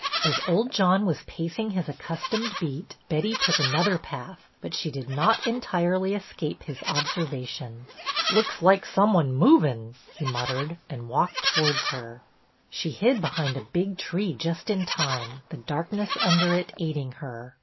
As old John was pacing his accustomed beat Betty took another path ; but she did not entirely escape his observation. " Looks loike some wan movin'," he mut tered, and walked towards her. She hid behind a big tree just in time, the darkness under it aiding her.